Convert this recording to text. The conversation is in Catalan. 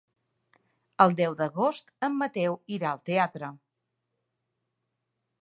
El deu d'agost en Mateu irà al teatre.